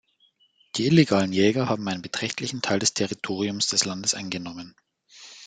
Die illegalen Jäger haben einen beträchtlichen Teil des Territoriums des Landes eingenommen.